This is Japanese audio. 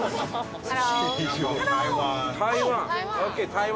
台湾？